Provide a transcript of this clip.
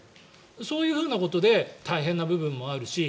そういうことで大変な部分もあるし。